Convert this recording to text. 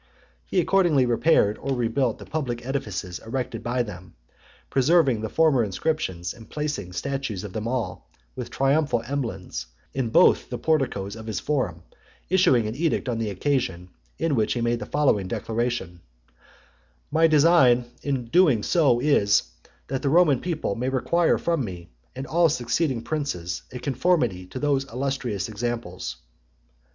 He accordingly repaired or rebuilt the public edifices erected by them; preserving the former inscriptions, and placing statues of them all, with triumphal emblems, in both the porticos of his forum, issuing an edict on the occasion, in which he made the following declaration: "My design in so doing is, that the Roman people may require from me, and all succeeding princes, a conformity to those illustrious examples."